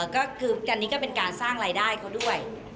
ก็คืออันนี้ก็เป็นการสร้างรายได้เขาด้วย